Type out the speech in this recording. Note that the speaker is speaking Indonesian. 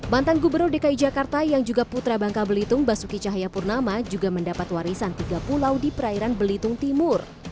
mantan gubernur dki jakarta yang juga putra bangka belitung basuki cahayapurnama juga mendapat warisan tiga pulau di perairan belitung timur